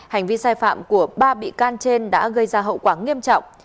hành vi sai phạm của ba bị can trên đã gây ra hậu quả nghiêm trọng